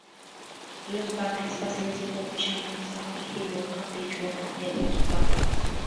Louisburgh has facilities for fishermen, surfers, hill walkers, beach-walkers and photographers.